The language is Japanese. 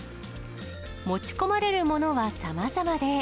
持ち込まれるものはさまざまで。